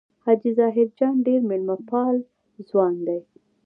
حاجي ظاهر جان ډېر مېلمه پال ځوان دی.